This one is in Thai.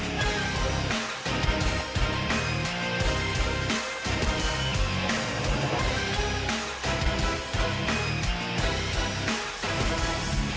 ชูเว็ดตีแสดหน้า